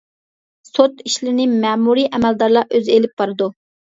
سوت ئىشلىرىنى مەمۇرىي ئەمەلدارلار ئۆزى ئېلىپ بارىدۇ.